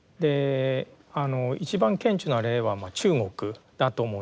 あの一番顕著な例は中国だと思うんですよね。